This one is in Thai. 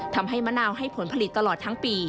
ทำให้มะนาวให้ผลผลิตตลอดทั้งปี